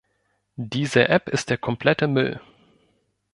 Diese App ist der komplette Müll.